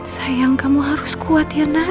sayang kamu harus kuat ya nak